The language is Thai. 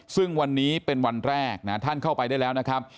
ซึ่งวันนี้เป็นวันแรกนะท่านเข้าไปได้แล้วนะครับ